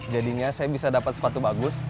jadinya saya bisa dapat sepatu bagus